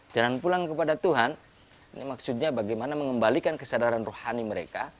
jalan pulang kepada tuhan ini maksudnya bagaimana mengembalikan kesadaran rohani mereka